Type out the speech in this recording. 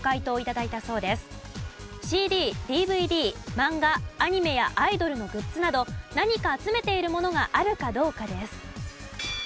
ＣＤＤＶＤマンガアニメやアイドルのグッズなど何か集めているものがあるかどうかです。